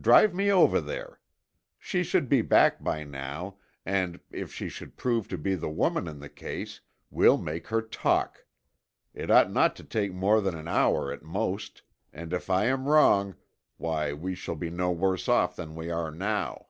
Drive me over there. She should be back by now and if she should prove to be the woman in the case, we'll make her talk. It ought not to take more than an hour at most, and if I am wrong, why we shall be no worse off than we are now."